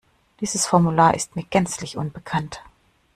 Dieses Formular ist mir gänzlich unbekannt.